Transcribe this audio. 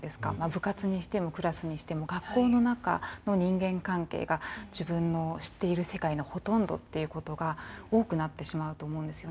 部活にしてもクラスにしても学校の中の人間関係が自分の知っている世界のほとんどっていうことが多くなってしまうと思うんですよね。